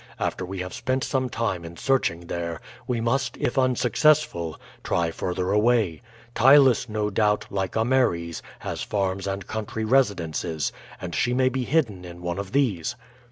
After we have spent some time in searching there, we must, if unsuccessful, try further away. Ptylus, no doubt, like Ameres, has farms and country residences, and she may be hidden in one of these."